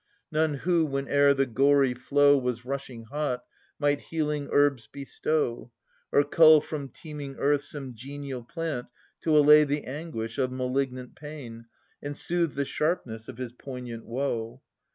None who, whene'er the gory flow Was rushing hot, might healing herbs bestow, Or cull from teeming Earth some genial plant To allay the anguish of malignant pain And soothe the sharpness of his poignant woe.